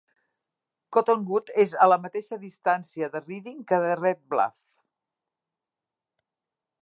Cottonwood és a la mateixa distància de Redding que de Red Bluff.